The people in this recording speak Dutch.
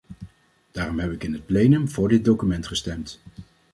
Daarom heb ik in het plenum voor dit document gestemd.